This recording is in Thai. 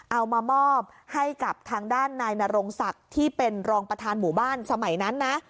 เอามามอบให้กับทางด้านนายนรงศักดิ์ที่เป็นรองประธานหมู่บ้านสมัยนั้นนะ